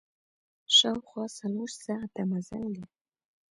شاوخوا څلور ساعته مزل ده.